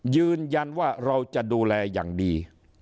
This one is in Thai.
ยืนยันว่าเราจะดูแลอย่างดี